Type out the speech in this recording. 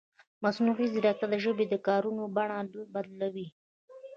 مصنوعي ځیرکتیا د ژبې د کارولو بڼه بدلوي.